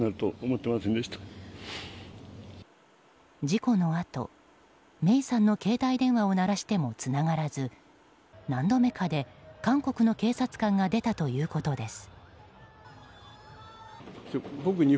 事故のあと、芽生さんの携帯電話を鳴らしてもつながらず何度目かで韓国の警察官が出たということです。